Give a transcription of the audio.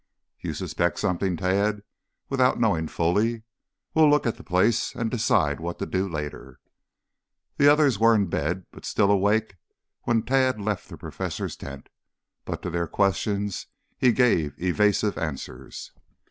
"You suspect something, Tad, without knowing fully. We'll look at the place and decide what to do later." The others were in bed, but still awake when Tad left the Professor's tent, but to their questions he gave evasive answers.